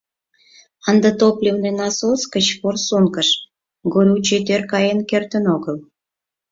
Ынде топливный насос гыч форсункыш горючий тӧр каен кертын огыл.